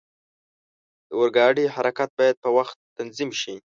د اورګاډي حرکت باید په وخت تنظیم شي.